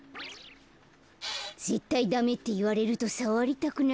ぜったいダメっていわれるとさわりたくなっちゃうよ。